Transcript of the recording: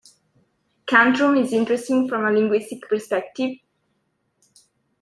Kantrum is interesting from a linguistic perspective.